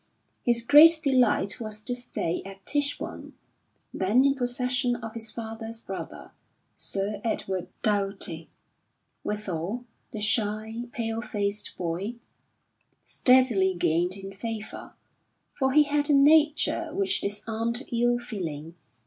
His great delight was to stay at Tichborne, then in possession of his father's brother, Sir Edward Doughty. Withal, the shy, pale faced boy steadily gained in favour, for he had a nature which disarmed ill feeling.